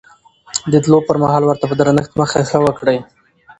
د تلو پر مهال ورته په درنښت مخه ښه وکړئ.